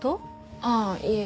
ああいえ。